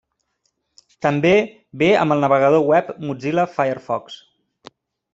També ve amb el navegador web Mozilla Firefox.